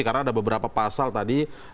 karena ada beberapa pasal tadi yang menunjukkan